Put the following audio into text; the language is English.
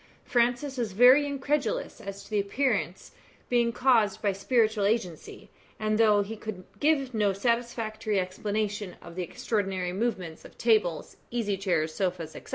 Francis was very incredulous as to the appearances being caused by spiritual agency, and though he could give no satisfactory explanation of the extraordinary movements of tables, easy chairs, sofas, &c.